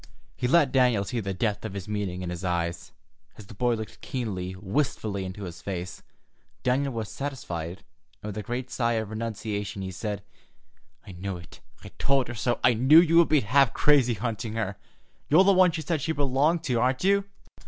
He let Daniel see the depth of his meaning in his eyes, as the boy looked keenly, wistfully, into his face. Daniel was satisfied, and with a great sigh of renunciation, he said: "I knew it, I told her so. I knew you would be half crazy, hunting her. You're the one she said she belonged to, aren't you?"